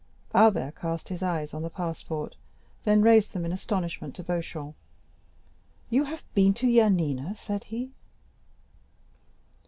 Albert cast his eyes on the passport, then raised them in astonishment to Beauchamp. "You have been to Yanina?" said he.